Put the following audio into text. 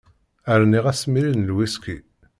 Rniɣ asmiri n lwiski.